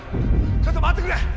ちょっと待ってくれ！